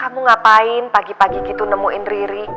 kamu ngapain pagi pagi gitu nemuin riri